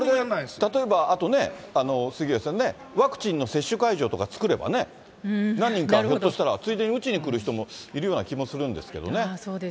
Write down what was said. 例えば杉上さんね、ワクチンの接種会場とか作ればね、何人か、ひょっとしたら、ついでに打ちに来るような人もいるような気もするんですけどね。